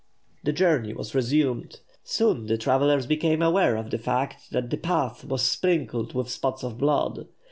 The journey was resumed. Soon the travellers became aware of the fact that the path was sprinkled with spots of blood.